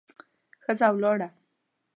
ښځه ولاړه.